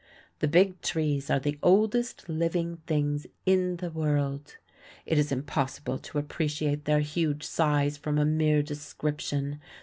The Big Trees are the oldest living things in the world. It is impossible to appreciate their huge size from a mere description.